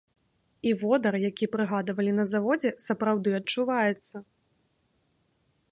І водар, які прыгадвалі на заводзе, сапраўды адчуваецца.